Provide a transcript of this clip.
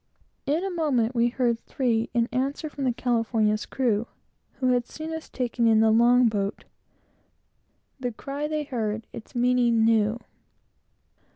In a moment, we heard three, in answer, from the California's crew, who had seen us taking in our long boat, and "the cry they heard its meaning knew."